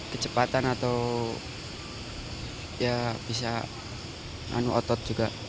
kecepatan atau ya bisa anu otot juga